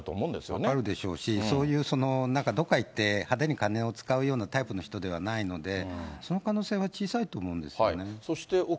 分かるでしょうし、そういう、なんかどこか行って派手にお金を使うタイプの人ではないので、その可能性は小さいと思うんですよね。